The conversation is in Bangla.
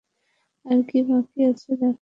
আর কী বাকি আছে দেখার?